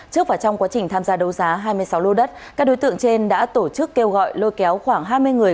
trước và trong quá trình tham gia đấu giá hai mươi sáu lô đất các đối tượng trên đã tổ chức kêu gọi lôi kéo khoảng hai mươi người